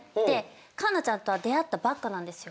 環奈ちゃんとは出会ったばっかなんですよ。